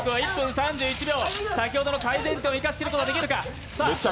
先ほどの改善点を生かし切ることができるか。